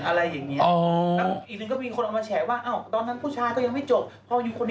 การเปลี่ยน